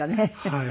はい。